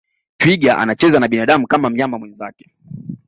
twiga anacheza na binadamu kama mnyama mwenzake